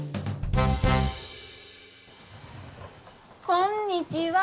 こんにちは。